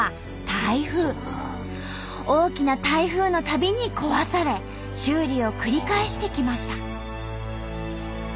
大きな台風のたびに壊され修理を繰り返してきました。